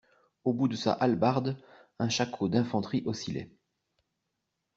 Au bout de sa hallebarde, un shako d'infanterie oscillait.